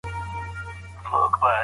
کمپيوټر ساتل کوي.